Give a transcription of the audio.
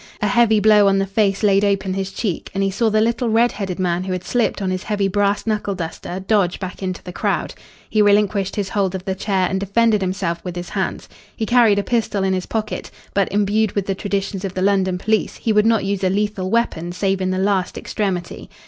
A heavy blow on the face laid open his cheek, and he saw the little red headed man who had slipped on his heavy brass knuckle duster dodge back into the crowd. He relinquished his hold of the chair and defended himself with his hands. He carried a pistol in his pocket, but, imbued with the traditions of the London police, he would not use a lethal weapon save in the last extremity.